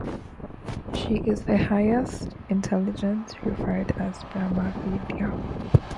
She is the highest intelligence referred as "Brahmavidya".